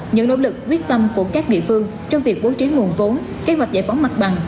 những nỗ lực quyết tâm của các địa phương trong việc bố trí nguồn vốn kế hoạch giải phóng mặt bằng